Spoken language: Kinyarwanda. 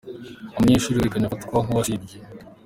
Umunyeshuri wakererewe afatwa nk'uwasibye.